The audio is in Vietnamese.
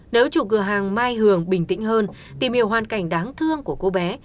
nếu chủ cửa hàng mai hường bình tĩnh hơn tìm hiểu hoàn cảnh đáng thương của cô bé